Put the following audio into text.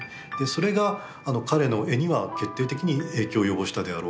それが彼の絵には決定的に影響を及ぼしたであろうと思うんですね。